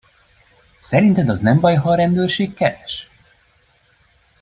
Szerinted az nem baj, ha a rendőrség keres?